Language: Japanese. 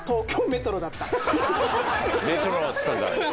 「メトロ」っつったんだ。